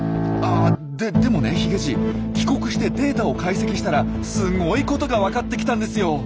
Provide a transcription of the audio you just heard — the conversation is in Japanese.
あででもねヒゲじい帰国してデータを解析したらすごいことが分かってきたんですよ。